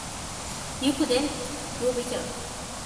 You couldn't do better.